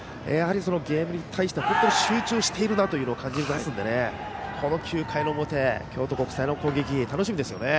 ゲームに対して集中しているなというのを感じますので、この９回の表京都国際の攻撃、楽しみですね。